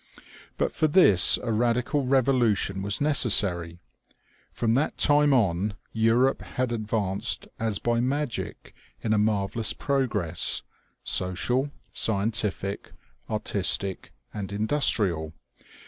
But for this a radical revolution was necessary. From that time on, Europe had advanced as by magic in a marvellous progress social, scientific, artistic and industrial.